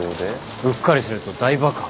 うっかりすると大爆発。